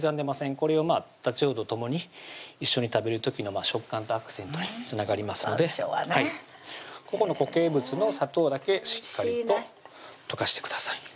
これをたちうおと共に一緒に食べる時の食感とアクセントにつながりますのでここの固形物の砂糖だけしっかりと溶かしてください